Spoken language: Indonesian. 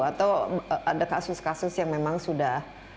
atau ada kasus kasus yang memang sudah